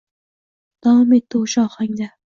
davom etdi o‘sha ohangda